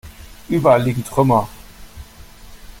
Überall liegen Trümmer.